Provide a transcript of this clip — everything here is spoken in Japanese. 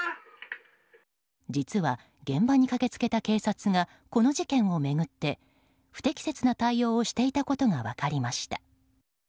実は現場に駆け付けた警察がこの事件を巡って不適切な対応をしていたことが分かりました。